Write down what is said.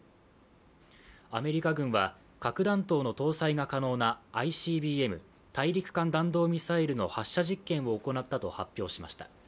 アメリカ軍は核弾頭の搭載が可能なＩＣＢＭ＝大陸間弾道ミサイルの発射実験を行ったと発表しました。